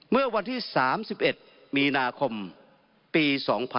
เมื่อวันที่๓๑มีนาคมปี๒๕๖๒